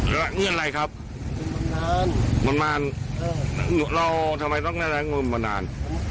เป็นบำนาน